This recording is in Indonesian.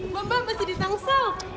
mbak mbak masih di tangsel